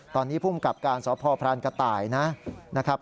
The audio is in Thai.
ตอนนี้ภูมิกับการสพพรานกระต่ายนะครับ